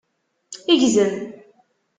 Gzem!